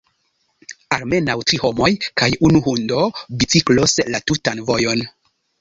Almenaŭ tri homoj kaj unu hundo biciklos la tutan vojon.